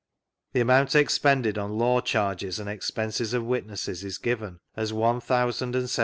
The amount expended on law charges and expenses of witnesses is given as £1,077 ^ 9d.